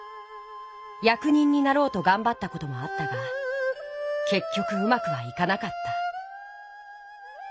やく人になろうとがんばったこともあったがけっきょくうまくはいかなかった。